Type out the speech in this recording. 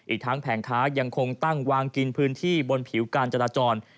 อีกทั้งแผงค้ายังคงตั้งวางกินพื้นที่บนผิวการจราจร